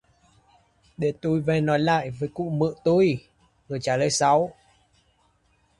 Để tui về nói lại cụ mự tui rồi trả lời sau